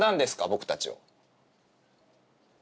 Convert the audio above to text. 僕たちを。